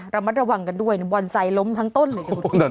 ระมัดระวังกันด้วยวันใสล้มทั้งต้นเลยคุณผู้ชม